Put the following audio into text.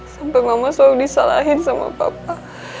sampai mama selalu disalahin sama papa